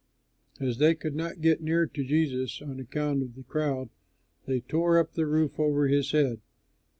As they could not get near to Jesus on account of the crowd, they tore up the roof over his head.